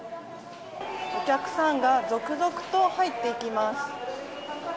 お客さんが続々と入っています。